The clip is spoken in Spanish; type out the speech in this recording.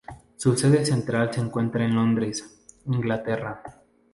Su sede central se encuentra en Londres, Inglaterra.